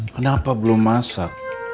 kenapa belum masak